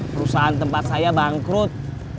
perusahaan tempat saya bangkrut